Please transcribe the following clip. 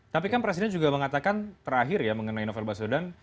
tapi kan presiden juga mengatakan terakhir ya mengenai novel baswedan